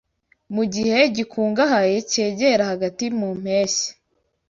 mu gihe gikungahaye cyegera hagati mu mpeshyi